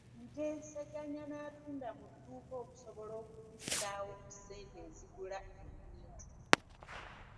Nteeseganya n'atunda mu dduuka okusobola okufissaawo ku ssente ezigula ebintu.